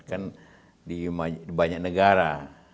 kan di banyak negara